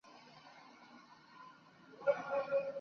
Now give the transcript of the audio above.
苏德门努西是巴西圣保罗州的一个市镇。